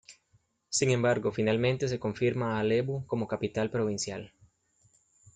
Sin embargo, finalmente se confirma a Lebu, como capital provincial.